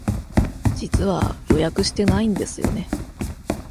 実は予約してないんですよね。